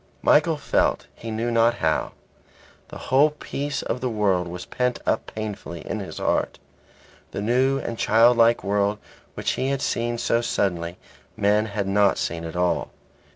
Michael felt he knew not how. The whole peace of the world was pent up painfully in his heart. The new and childlike world which he had seen so suddenly, men had not seen at all.